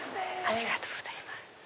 ありがとうございます。